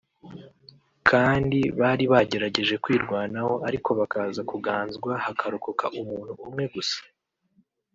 kandi bari bagerageje kwirwanaho ariko bakaza kuganzwe hakarokoka umuntu umwe gusa